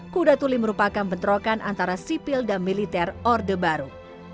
kuda tuli merupakan bentrokan antara sipil dan militer orde baru